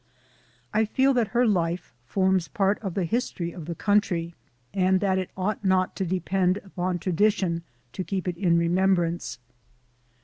I feel that her life forms part of the history of the country, and that it ought not to depend upon tradition to keep it in remembrance.